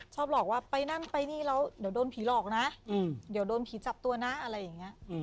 ชอบหลอกว่าไปนั่นไปนี่แล้วเดี๋ยวโดนผีหลอกนะเดี๋ยวโดนผีจับตัวนะอะไรอย่างนี้